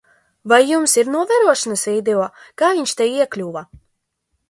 Vai jums ir novērošanas video, kā viņš te iekļuva?